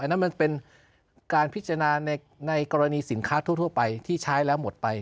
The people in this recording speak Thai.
นั่นมันเป็นการพิจารณาในกรณีสินค้าทั่วไปที่ใช้แล้วหมดไป